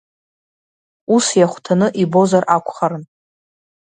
Ус иахәҭаны ибозар акәхарын, …